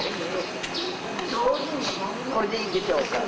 これでいいでしょうか？